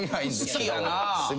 好きやなぁ。